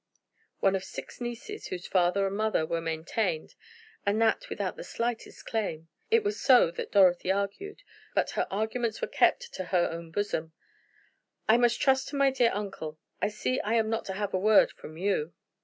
One of six nieces whose father and mother were maintained, and that without the slightest claim! It was so that Dorothy argued; but her arguments were kept to her own bosom. "But I must trust to my dear uncle. I see that I am not to have a word from you."